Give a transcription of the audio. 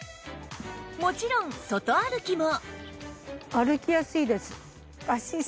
もちろん外歩きも